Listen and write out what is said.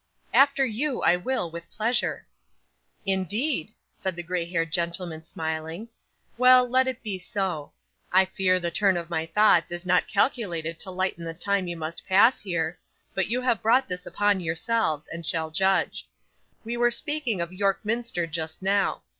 'After you, I will, with pleasure.' 'Indeed!' said the grey haired gentleman, smiling, 'Well, let it be so. I fear the turn of my thoughts is not calculated to lighten the time you must pass here; but you have brought this upon yourselves, and shall judge. We were speaking of York Minster just now.